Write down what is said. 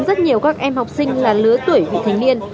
rất nhiều các em học sinh là lứa tuổi vị thành niên